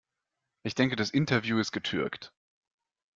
Ich denke, das Interview ist getürkt.